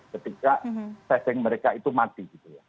ketika setting mereka itu mati